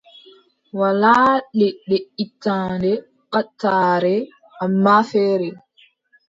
Walaa leɗɗe ittanɗe ɓattarre, ammaa feere,